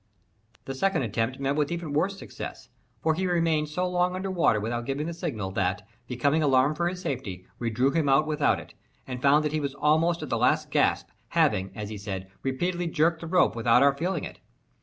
The second attempt met with even worse success; for he remained so long under water without giving the signal, that, becoming alarmed for his safety, we drew him out without it, and found that he was almost at the last gasp, having, as he said, repeatedly jerked at the rope without our feeling it.